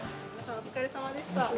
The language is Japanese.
お疲れさまでした。